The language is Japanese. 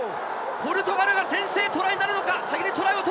ポルトガルが先にトライを取るか。